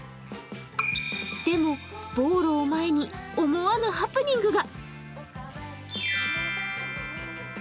でも、ボーロを前に思わぬハプニングが。